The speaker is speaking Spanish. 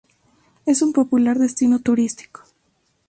Es un popular destino turístico.